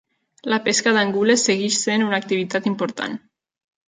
La pesca d'angules segueix sent una activitat important.